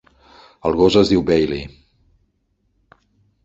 El gos es diu Bailey.